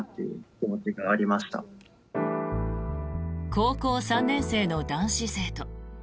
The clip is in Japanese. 高校３年生の男子生徒。